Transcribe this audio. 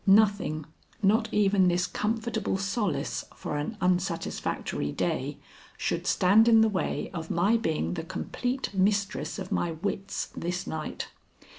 Nothing, not even this comfortable solace for an unsatisfactory day, should stand in the way of my being the complete mistress of my wits this night.